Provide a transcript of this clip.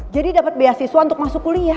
jadi dapet beasiswa untuk masuk kuliah